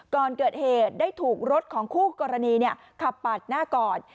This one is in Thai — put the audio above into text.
ก่อนเกิดเหตุได้ถูกรถของคู่กรณีขับปาดหน้าก่อน